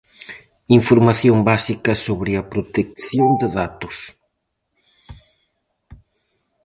Información básica sobre a protección de datos.